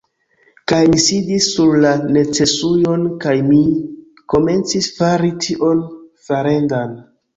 Kaj mi sidis sur la necesujon, kaj mi komencis fari tion farendan.